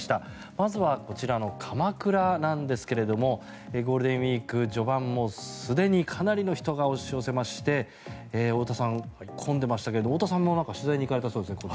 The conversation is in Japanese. まずはこちらの鎌倉なんですがゴールデンウィーク序盤もすでにかなりの人が押し寄せまして太田さん、混んでいましたが太田さんも取材に行かれたそうですね。